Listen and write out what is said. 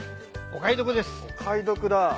お買い得だ。